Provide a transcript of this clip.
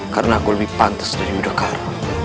karena aku lebih pantas dari yudhkar